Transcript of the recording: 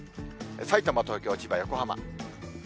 さいたま、東京、千葉、横浜。